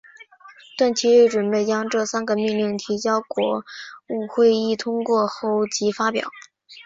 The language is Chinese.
段祺瑞准备将这三个命令提交国务会议通过后即发表。